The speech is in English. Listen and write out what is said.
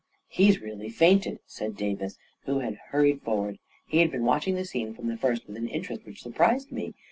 44 He's really fainted !" said Davis, who had hur ried forward — he had been watching the scene from the first with an interest which surprised me.